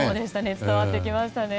伝わってきましたね。